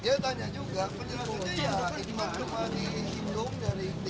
dia tanya juga penjelasan ini ya ini mah kemarin dihitung dari tim teknis